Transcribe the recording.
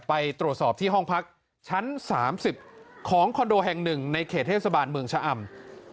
ไปตรวจสอบที่ห้องพักชั้น๓๐ของคอนโดแห่งหนึ่งในเขตเทศบาลเมืองชะอำ